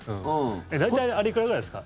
大体いくらぐらいですか？